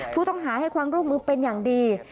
ผู้ต้องหาให้ความร่วมมือเป็นอย่างดี